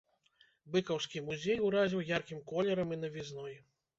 Быкаўскі музей уразіў яркім колерам і навізной.